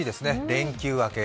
連休明け。